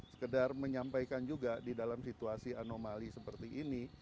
sekedar menyampaikan juga di dalam situasi anomali seperti ini